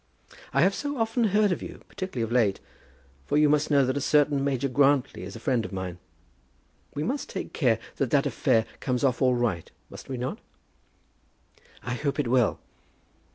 "I have so often heard of you, particularly of late; for you must know that a certain Major Grantly is a friend of mine. We must take care that that affair comes off all right, must we not?" "I hope it will."